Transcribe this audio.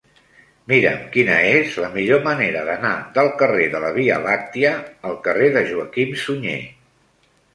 Mira'm quina és la millor manera d'anar del carrer de la Via Làctia al carrer de Joaquim Sunyer.